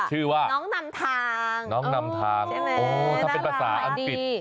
ชื่อว่าน้องนำทางใช่ไหมน่ารักถ้าเป็นภาษาอังกฤษ